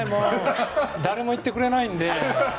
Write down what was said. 誰も言ってくれないので。